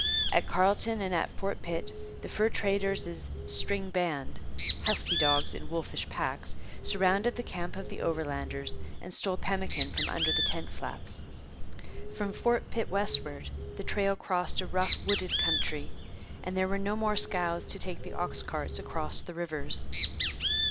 At Carlton and at Fort Pitt the fur traders' 'string band' husky dogs in wolfish packs surrounded the camp of the Overlanders and stole pemmican from under the tent flaps. From Fort Pitt westward the trail crossed a rough, wooded country, and there were no more scows to take the ox carts across the rivers.